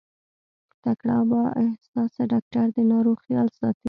تکړه او با احساسه ډاکټر د ناروغ خيال ساتي.